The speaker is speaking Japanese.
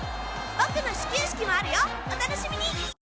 僕の始球式もあるよお楽しみに！